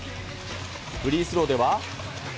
フリースローでは。